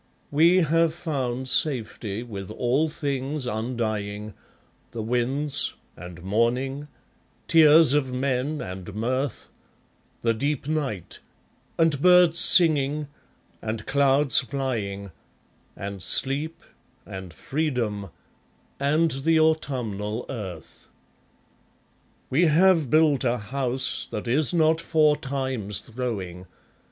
We have found safety with all things undying, The winds, and morning, tears of men and mirth, The deep night, and birds singing, and clouds flying, And sleep, and freedom, and the autumnal earth. We have built a house that is not for Time's throwing.